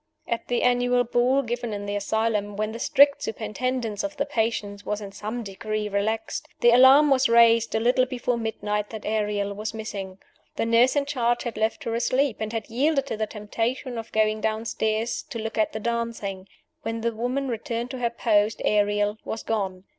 At the annual ball given in the asylum, when the strict superintendence of the patients was in some degree relaxed, the alarm was raised, a little before midnight, that Ariel was missing. The nurse in charge had left her asleep, and had yielded to the temptation of going downstairs to look at the dancing. When the woman returned to her post, Ariel was gone.